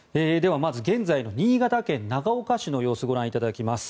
まず現在の新潟県長岡市の様子ご覧いただきます。